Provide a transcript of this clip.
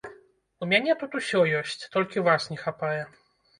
У мяне тут усё ёсць, толькі вас не хапае.